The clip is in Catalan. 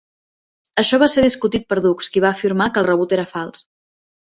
Això va ser discutit per Dux, qui va afirmar que el rebut era fals.